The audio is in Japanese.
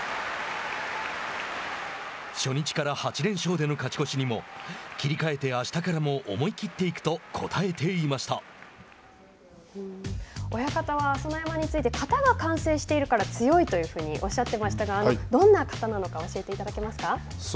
初日から８連勝での勝ち越しにも切り替えてあしたからも親方は朝乃山について型が完成しているから強いというふうにおっしゃっていましたが、どんな型なのか、教えていただけますか。